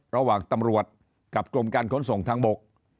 ระหว่างตำรวจกับกรมการขนส่งทางบก